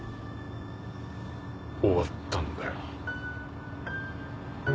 終わったんだよ。